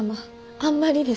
あんまりです。